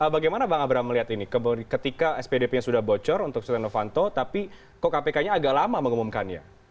bagaimana bang abraham melihat ini ketika spdp nya sudah bocor untuk setia novanto tapi kok kpk nya agak lama mengumumkannya